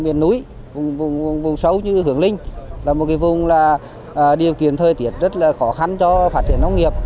miền núi vùng xấu như hưởng linh là một cái vùng là điều kiện thời tiết rất là khó khăn cho phát triển nông nghiệp